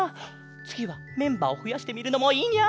つぎはメンバーをふやしてみるのもいいニャ。